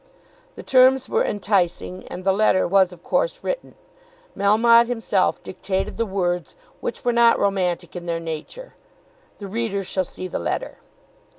The terms were enticing and the letter was of course written. Melmotte himself dictated the words, which were not romantic in their nature. The reader shall see the letter.